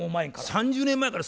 ３０年前から。